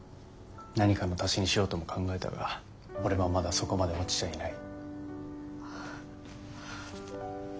何かの足しにしようとも考えたが俺はまだそこまで落ちちゃいない。